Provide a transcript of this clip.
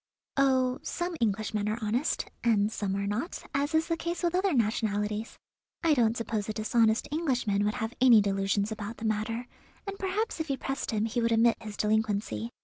"Oh, some Englishmen are honest, and some are not, as is the case with other nationalities. I don't suppose a dishonest Englishman would have any delusions about the matter, and perhaps if you pressed him he would admit his delinquency.